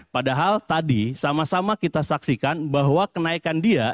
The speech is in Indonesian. padahal tadi sama sama kita saksikan bahwa kenaikan dia